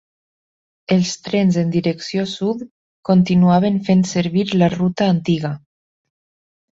Els trens en direcció sud continuaven fent servir la ruta antiga.